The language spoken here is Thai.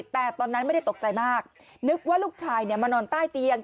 แต่ตอนนั้นไม่ได้ตกใจมากนึกว่าลูกชายมานอนใต้เตียง